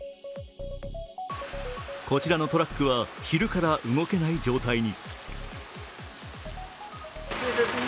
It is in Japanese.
こちらのトラックは昼から動けない状態に。